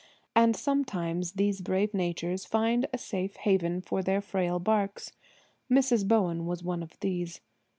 And sometimes these brave natures fine a safe haven for their frail barks. Mrs. Bowen was one of these.